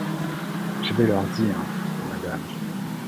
Je vais leur dire, madame.